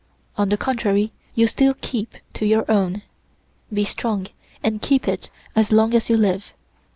On the contrary, you still keep to your own. Be strong and keep it as long as you live.